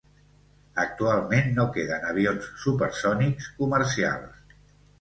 Actualment no queden avions supersònics comercials.